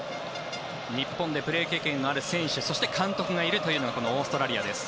日本でプレー経験のある選手そして監督がいるというのがオーストラリアです。